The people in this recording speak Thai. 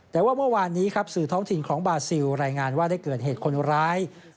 แต่ว่าเมื่อวานนี้ครับสื่อท้องถิ่นของบาซิลรายงานว่าได้เกิดเหตุคนร้าย